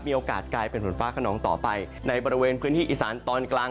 โอกาสกลายเป็นฝนฟ้าขนองต่อไปในบริเวณพื้นที่อีสานตอนกลาง